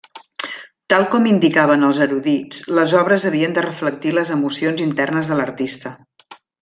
Tal com indicaven els erudits, les obres havien de reflectir les emocions internes de l'artista.